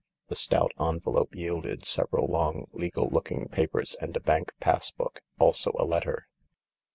The stout envelope yielded several long, legal looking papers and a bank pass book. Also a letter.